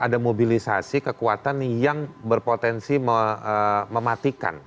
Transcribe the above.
ada mobilisasi kekuatan yang berpotensi mematikan